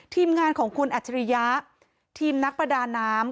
ทีมงานของคุณอัจฉริยะทีมนักประดาน้ำ